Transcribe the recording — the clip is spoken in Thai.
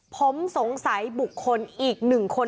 ผมสงสัยบุคคลอีก๑คน